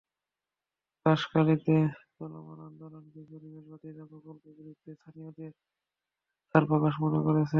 বাঁশখালীতে চলমান আন্দোলনকে পরিবেশবাদীরা প্রকল্পের বিরুদ্ধে স্থানীয়দের অনাস্থার প্রকাশ মনে করছেন।